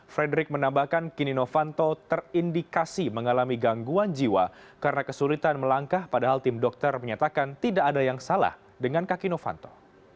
frederick menambahkan kini novanto terindikasi mengalami gangguan jiwa karena kesulitan melangkah padahal tim dokter menyatakan tidak ada yang salah dengan kaki novanto